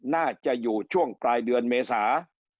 น่าจะอยู่ช่วงปลายเดือนเมษา